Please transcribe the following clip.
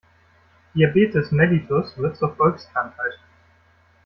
Diabetes mellitus wird zur Volkskrankheit.